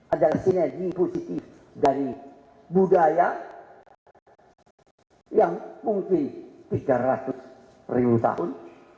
adalah sinergi positif dari budaya yang mungkin tiga ratus ribu tahun